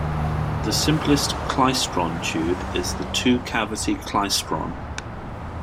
The simplest klystron tube is the two-cavity klystron.